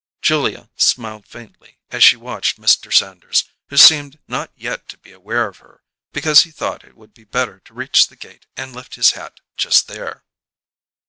Julia smiled faintly as she watched Mr. Sanders, who seemed not yet to be aware of her, because he thought it would be better to reach the gate and lift his hat just there.